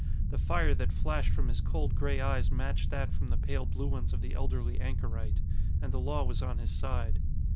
The fire that flashed from his cold gray eyes matched that from the pale blue ones of the elderly anchorite. And the law was on his side.